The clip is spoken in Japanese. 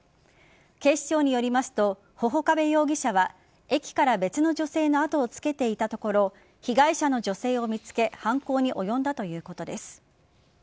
警視庁によりますと波々伯部容疑者は駅から別の女性の後をつけていたところ被害者の女性を見つけ犯行に及んだということです。